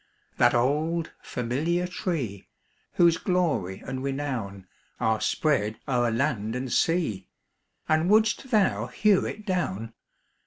That old familiar tree, Whose glory and renown Are spread o'er land and sea And wouldst thou hew it down?